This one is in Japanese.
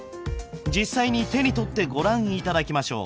実際に手に取ってご覧いただきましょう！